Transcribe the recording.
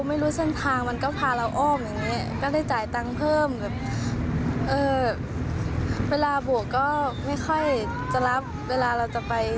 คุณผู้ผู้ประติก็มันหน้าหมวงแหวนขึ้นไปเลยแล้ว